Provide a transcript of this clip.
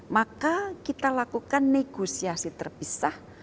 maka kita lakukan negosiasi terpisah